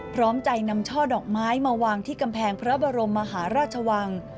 พร้อมใจนำช่อดอกไม้มาวางที่กำแพงพระบรมมหาราชวัง